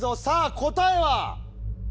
さあ答えは？